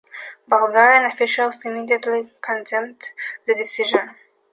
Bulgarian officials immediately condemned the decisions.